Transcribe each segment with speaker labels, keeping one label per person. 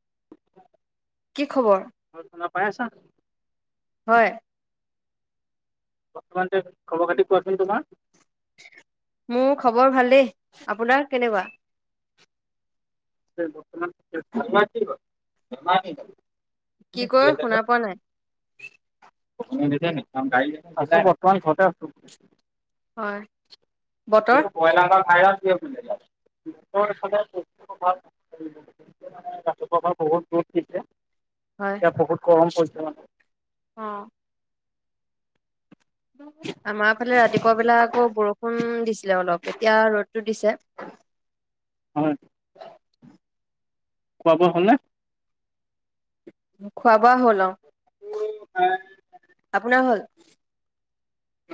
Speaker 1: [inaudible]
Speaker 2: কি খবৰ?
Speaker 1: পাইছা [unintelligible]
Speaker 2: হয়,
Speaker 1: বৰ্তমান যে খবৰ কাতি কোৱাছোন তোমাৰ?
Speaker 2: মোৰ খবৰ ভালে। আপোনাৰ কেনেকুৱা?
Speaker 1: [unintelligible] [inaudible]
Speaker 2: কি ক'য় শুনা পোৱা নাই।
Speaker 1: ন আমান খতে আ
Speaker 2: হয়,
Speaker 1: [unintelligible]
Speaker 2: বতৰ?
Speaker 1: এইটো বইলাৰ খাই [unintelligible] দিয়ে বোলে আকৌ এইফালে [unintelligible] ৰাতিপা'পা বহুত ৰ'ত দিছে
Speaker 2: হয়,
Speaker 1: এয়া বহুত গৰম পৰি অ
Speaker 2: অ। আমাৰ ফালে ৰাতিপুৱা বিলাক আকৌ বৰষুণ দিছিলে অলপ এতিয়া ৰ'দতটো দিছে। [inaudible]
Speaker 1: হয়। খোৱা- বোৱা হ'লনে?
Speaker 2: খোৱা -বোৱা হ'ল অ। আপোনাৰ হল?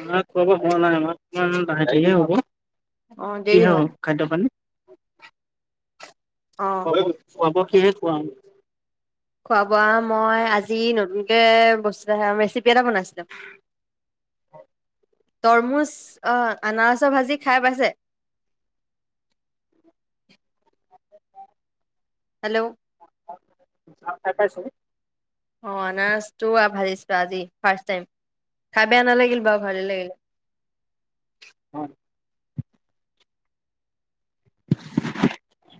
Speaker 1: আমাৰ খোৱা -বোৱা হোৱা নাই আমাৰ লাহেদিয়ে হ'ব।
Speaker 2: অ', দেৰি
Speaker 1: কি
Speaker 2: হয়।
Speaker 1: হ'ল খাদ্য পানী?
Speaker 2: অ',
Speaker 1: খোৱা -বোৱা কি'হে খোৱাম?
Speaker 2: খোৱা- বোৱা মই আজি নতুনকৈ বস্তু এটা ৰেচিপি এটা বনাইছিলোঁ। [inaudible] তৰমুজ, আনাৰসৰ ভাজি খাই পাইছে? [unintelligible] [inaudible] হেল্ল'
Speaker 1: [unintelligible] [inaudible]
Speaker 2: অ অনাৰচটো আ ভাজিছো আজি ফাৰ্ষ্ট টাইম। খাবে আনা লাগিল বাও ভালে লাগিলে
Speaker 1: উ [unintelligible] [inaudible]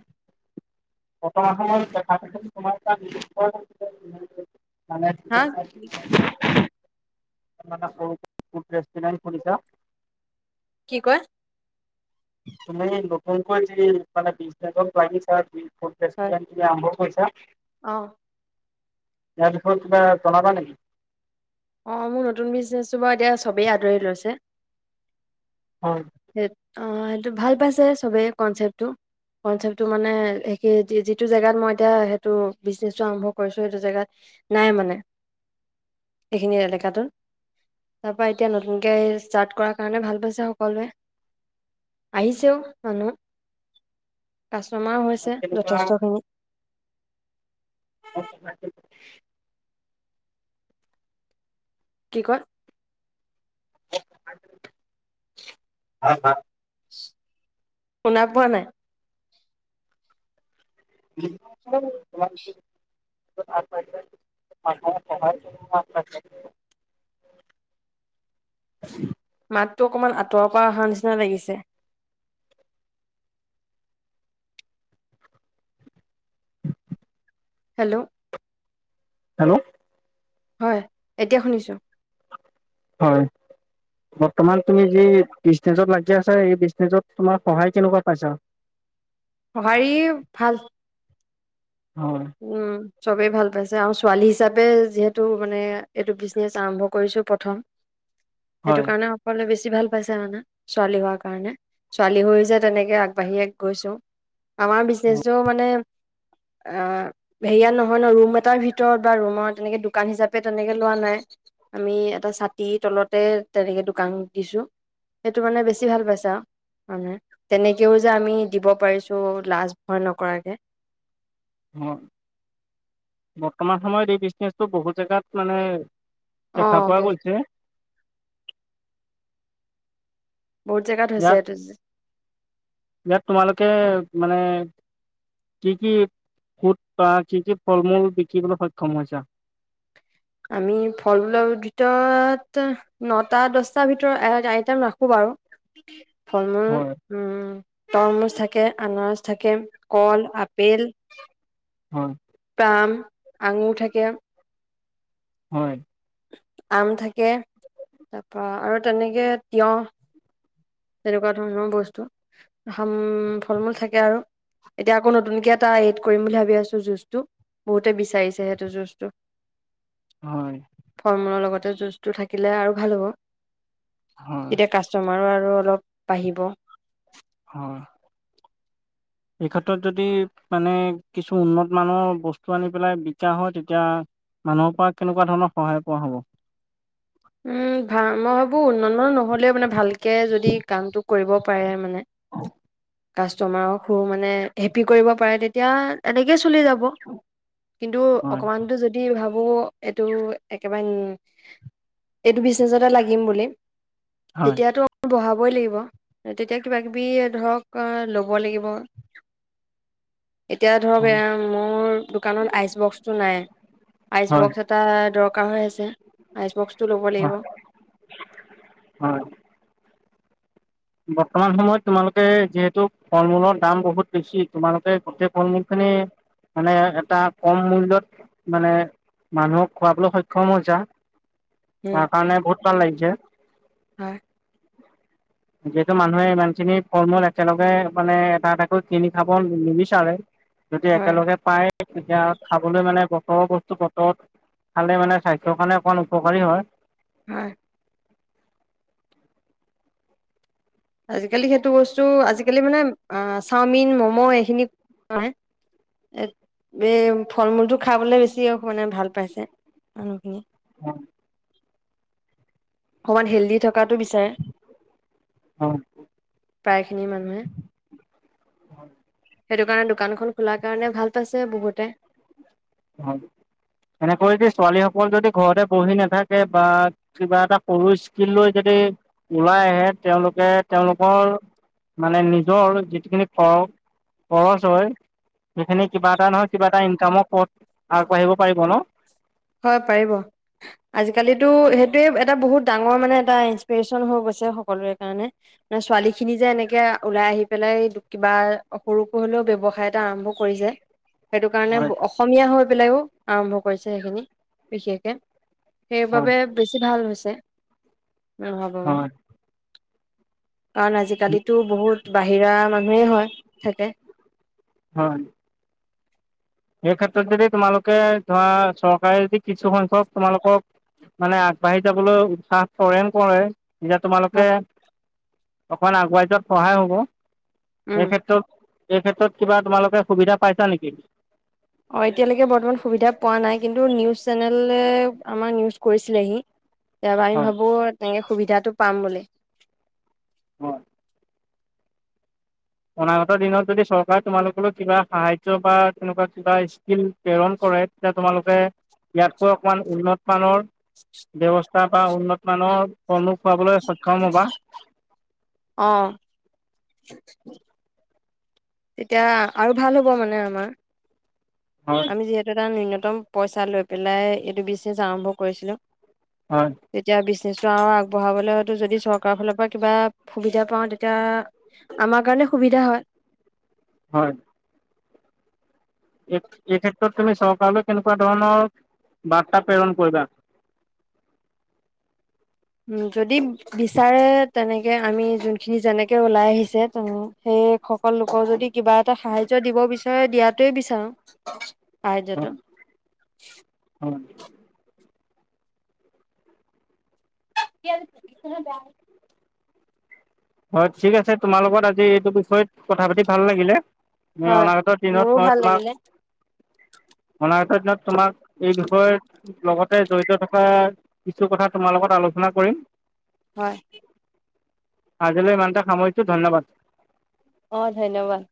Speaker 1: বৰ্তমান সময়ত [unintelligible]
Speaker 2: হা,
Speaker 1: [inaudible] ফু ৰেষ্টুৰেট খুলিছা?
Speaker 2: কি কয়
Speaker 1: তুমি নতুনকৈ যে মানে লাগিছা আৰম্ভ
Speaker 2: হয়,
Speaker 1: কৰি [unintelligible]
Speaker 2: অ
Speaker 1: এখ ত তলাব নেকি [unintelligible]
Speaker 2: অ মোৰ নতুন বিজনেচটো বাৰু এতিয়া চবেই আদৰি লৈছে।
Speaker 1: হয়
Speaker 2: সেই অ সেইটো ভাল পাইছে চবেই কনচেপ্টটো কনচেপটো মানে স যিটো জেগাত মই এতিয়া সেইটো বিজনেছটো আৰম্ভ কৰিছো সেইটো জেগাত [unintelligible] নাই মানে এইখিনি এলেকাটো তাৰ পৰা এতিয়া নতুনকে ষ্টাৰ্ট কৰাৰ কাৰণে ভাল পাইছে সকলোৱে। আহিছে ও মানুহ কাষ্টমাৰ হৈছে
Speaker 1: কেনেকুৱা
Speaker 2: যথেষ্টখিনি।
Speaker 1: [unintelligible]
Speaker 2: কি কয়?
Speaker 1: হা হা
Speaker 2: শুনা পোৱা নাই?
Speaker 1: [unintelligible] [unintelligible]
Speaker 2: [unintelligible] মাতটো অকনমান আঁতৰৰ পৰা আহা নিচিনা লাগিছে হেল্ল'
Speaker 1: হেল্ল'
Speaker 2: হয় এতিয়া শুনিছোঁ।
Speaker 1: হয়। বৰ্তমান তুমি যি বিজনেচত লাগি আছা সেই বিজনেচত তোমাৰ সহায় কেনেকুৱা পাইছা?
Speaker 2: সঁহাৰি ভাল
Speaker 1: হয়
Speaker 2: উম। চবেই ভাল পাইছে আৰু ছোৱালী হিচাপে যিহেতু মানে এইটো বিজনেচ আৰম্ভ কৰিছোঁ প্ৰথম। সেইটো
Speaker 1: হয়
Speaker 2: কাৰণে সকলোৱে বেছি বেছি ভাল পাইছে মানে ছোৱালী হোৱাৰ কাৰণে ছোৱালী হৈ যে তেনেকে আগবাঢ়িয়ে গৈছোঁ। আমাৰ বিজনেচটো মানে আহ হেৰিয়াত নহয় ন ৰুম এটাৰ ভিতৰত বা ৰুমৰ তেনেকে দোকান হিচাপে তেনেকে লোৱা নাই। আমি এটা ছাতিৰ তলতে তেনেকে দোকান দিছোঁ। সেইটো মানে বেছি ভাল পাইছা হয়নে তেনেকেও যে আমি দিব পাৰিছোঁ লাজ ভয় নকৰাকে।
Speaker 1: হয় বৰ্তমান সময়ত এই বিজনেচটো বহুত জেগাত মানে
Speaker 2: অ
Speaker 1: দেখা পোৱা
Speaker 2: বহুত
Speaker 1: গৈছে।
Speaker 2: বহুত জেগাত হৈছে
Speaker 1: ইয়াক
Speaker 2: এইটো
Speaker 1: ইয়াক তোমালোকে মানে কি কি? সুত বা কি কি ফল মূল বিকিবলৈ সক্ষম হৈছা?
Speaker 2: আমি ফলমূলৰ ভিতৰত নটা দছটাৰ ভিতৰত আইটেম ৰাখোঁ বাৰু ফল মূল
Speaker 1: হয়
Speaker 2: উম। তৰমুজ থাকে আনাৰস থাকে কল আপেল
Speaker 1: হয়।
Speaker 2: আম, আঙুৰ থাকে।
Speaker 1: হয়।
Speaker 2: আম থাকে তাৰপৰা আৰু তেনেকে তিয়হ তেনেকুৱা ধৰণৰ বস্তু ফল মূল থাকে আৰু এতিয়া আকৌ নতুনকে এটা এড কৰিম বুলি ভাবি আছোঁ জুচটো বহুতে বিচাৰিছে সেইটো জুচটো
Speaker 1: হয়
Speaker 2: ফল মূলৰ লগতে জুচটো থাকিলে আৰু ভাল হ'ব।
Speaker 1: হয়
Speaker 2: এতিয়া কাষ্টমাৰো আৰু অলপ বাঢ়িব।
Speaker 1: হয়।
Speaker 2: [inaudible]
Speaker 1: এই ক্ষেত্ৰত যদি মানে কিছু উন্নত মানৰ বস্তু আনি পেলাই বিকা হয় তেতিয়া। মানুহৰ পৰা কেনেকুৱা ধৰণৰ সহায় পোৱা হ'ব।
Speaker 2: [inaudible] ভা মই ভাবোঁ উন্ন নহ'লেও মানে ভালকে যদি কামটো কৰিব পাৰে মানে। কাষ্টমাৰক সু মানে হেপি কৰিব পাৰে তেতিয়া এনেকে কোনে ল'ব কিন্তু
Speaker 1: হয়
Speaker 2: অকনমানতে যদি ভা ব এইটো একেবাৰে উ এইটো বিজনেচতে লাগিম বুলি
Speaker 1: হয়
Speaker 2: তেতিয়াতো বহাব লবয় লাগিব, তেতিয়া কিবা কবি ধৰক ল'ব লাগিব। এতিয়া
Speaker 1: হয়
Speaker 2: ধৰক মোৰ দোকানত আইচ বক্সটো নাই। আইচ
Speaker 1: হয়
Speaker 2: বক্স এটা দৰকাৰ হৈ আছে আইচ বক্স। ল'ব লাগিব।
Speaker 1: হয় হয় বৰ্তমান সময়ত তোমালোকে যিহেতু ফল মূলৰ দাম বহুত বেছি তোমালোকে গোটেই ফল মূল খিনি মানে এটা কম মূল্যত মানে মানুহক খোৱাবলৈ সক্ষম হৈছা
Speaker 2: উম,
Speaker 1: তাৰ কাৰণে বহুত ভাল লাগিছে।
Speaker 2: হয়।
Speaker 1: যিহেতু মানুহে ইমানখিনি ফল মূল একেলগে মানে এটা এটাকৈ কিনি খাব নিবিচাৰে। যদি
Speaker 2: হয়,
Speaker 1: একেলগে পায় তেতিয়া খাবলৈ মানে বতৰৰ বস্তু বতৰত খালে মানে স্বাস্থ্যৰ কাৰণে অকমান উপকাৰী হয়।
Speaker 2: হয়। আজিকালি সেইটো বস্তু আজিকালি মানে আ চাওমিন মম' এইখিনি, নাই এত এই ফল মূলটো খাবলে বেছি মানে ভাল পাইছে মানুহখিনিয়ে
Speaker 1: অঁ।
Speaker 2: অকমান হেল্ডি থকাটো বিছাৰে।
Speaker 1: অ অ
Speaker 2: প্ৰায়খিনি মানুহে সেইটো কাৰণে দোকানখন খোলাৰ কাৰণে ভাল পাইছে বহুতে।
Speaker 1: হয়। এনেকৈ যে ছোৱালী সকল যদি ঘৰতে বহি নেথাকে বা কিবা এটা সৰু স্কিল লৈ যদি উম, ওলাই আহে তেওঁলোকে তেওঁলোকৰ মানে নিজৰ যিটোখিনি খৰ খৰচ হয়। সেইখিনি কিবা এটা নহয় কিবা এটা ইনকামৰ পঠ আগবাঢ়িব পাৰিব ন?
Speaker 2: হয় পাৰিব আজিকালিতো সেইটোয়ে এটা বহুত ডাঙৰ মানে এটা ইন্সপিৰেশন হৈ গইছে। সকলোৰে কাৰণে মানে ছোৱালী খিনি যে এনেকে ওলাই আহি পেলাই কিবা সৰুকয় হলেও ব্যৱসায় এটা আৰম্ভ কৰিছে। সেইটো কাৰণে
Speaker 1: হয়
Speaker 2: অসমীয়া হৈ পেলাইও আৰম্ভ কৰিছে সেইখিনি বিশেষকে।
Speaker 1: হয়
Speaker 2: সেইবাবে বেছি ভাল হৈছে [unintelligible] ভাবো মই।
Speaker 1: হয়
Speaker 2: কাৰণ আজিকালিতো বহুত বাহিৰা মানুহে হয় থাকে।
Speaker 1: হয়। সেই ক্ষেত্ৰত যদি তোমালোকে ধৰা, চৰকাৰে যদি কিছু সংখ্যক তোমালোকক মানে, আগবাঢ়ি যাবলৈ উৎসাহ কৰে, নকৰে? এতিয়া তোমালোকে অকণ আগুৱাই যোৱাত সহায় হ'ব।
Speaker 2: উম
Speaker 1: এই ক্ষেত্ৰত, এই ক্ষেত্ৰত কিবা তোমালোকে সুবিধা পাইছা নেকি?
Speaker 2: অঁ, এতিয়ালৈকে বৰ্তমান সুবিধা পোৱা নাই। কিন্তু নিউজ চেনেলে আমাৰ নিউজ কৰিছিলেহি। এবাৰ
Speaker 1: হয়
Speaker 2: আমি ভাৱো, তেনেকে সুবিধাটো পাম বুলি।
Speaker 1: অঁ। অনাগত দিনত যদি চৰকাৰে তোমালোকলৈ কিবা সাহায্য বা তেনেকুৱা কিবা স্কিম প্ৰেৰণ ক কৰে তেতিয়া তোমালোকে ইয়াতকৈ অকমান উন্নত মানৰ ব্যৱস্থা বা উন্নতমানৰ সন্মুখ পাবলৈ
Speaker 2: অঁহ। তেতিয়া আৰু ভাল হ'ব মানে আমাৰ।
Speaker 1: হয়
Speaker 2: আমি যিহেতু এটা নূন্যতম পইছা লৈ পেলাই এইটো বিজনেছ আৰম্ভ কৰিছিলোঁ।
Speaker 1: হয়
Speaker 2: তেতিয়া বিচ নিশ্চয়, আৰু আগবঢ়াবলে হ'য়টো যদি চৰকাৰ ফালৰ পৰা কিবা সুবিধা পাওঁ, তেতিয়া আমাৰ কাৰণে সুবিধা হ'য়।
Speaker 1: হ'য়। এ এই ক্ষেত্ৰত তুমি চৰকাৰলৈ কেনেকুৱা ধৰণৰ বাৰ্তা প্ৰেৰণ কৰিবা।
Speaker 2: [inaudible] উম, যদি বিচাৰে তেনেকে আমি যোনখিনি যেনেকে ওলাই আহিছে ত সেই সেই সকল লোকক যদি কিবা এটা সাহায্য দিব বিচাৰে, দিয়াতোৱেই বিচাৰো। সাহায্যটো।
Speaker 1: হয় হয়
Speaker 2: [unintelligible]
Speaker 1: হ'য়। ঠিক আছে, তোমাৰ লগত আজি এইটো বিষয়ত কথা পাতি ভাল লাগিলে। মই
Speaker 2: হয়
Speaker 1: অনাগত দিনত
Speaker 2: মোৰো
Speaker 1: মই
Speaker 2: ভাল
Speaker 1: তোমাক,
Speaker 2: লাগিলে
Speaker 1: অনা গত দিনত তোমাক এই বিষয়ৰ লগতে জড়িত থকা কিছু কথা তোমাৰ লগত আলোচনা কৰি
Speaker 2: হ'য়।
Speaker 1: আজিলৈ ইমানটে সামৰিছোঁ। ধন্যবাদ।
Speaker 2: অঁ, ধন্যবাদ।